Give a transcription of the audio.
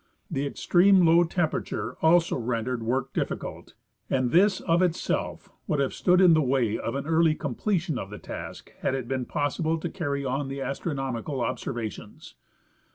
The extreme Ioav tempera ture also rendered work difficult, and this of itself would have stood in the way of an early completion of the task had it been possible to carry on the astronomical observations.